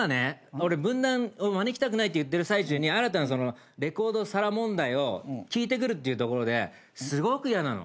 俺分断を招きたくないって言ってる最中に新たなレコード皿問題を聞いてくるっていうところですごく嫌なの。